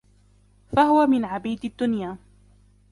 فَهُوَ مِنْ عَبِيدِ الدُّنْيَا